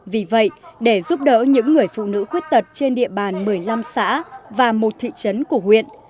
vì vậy để giúp đỡ những người phụ nữ khuyết tật trên địa bàn một mươi năm xã và một thị trấn của huyện